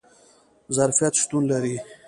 ظرفیت شتون لري